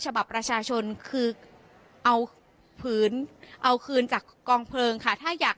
ฉบับประชาชนคือเอาผืนเอาคืนจากกองเพลิงค่ะถ้าอยาก